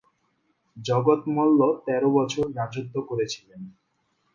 জগৎ মল্ল তের বছর রাজত্ব করেছিলেন।